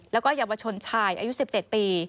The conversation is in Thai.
แล้วก็เยาวชนชายอายุ๑๗ปี